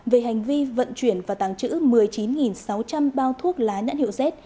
về hành vi vận chuyển và tàng trữ một mươi chín sáu trăm linh bao thuốc lá nhãn hiệu z